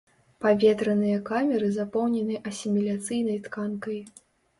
Паветраныя камеры запоўнены асіміляцыйнай тканкай.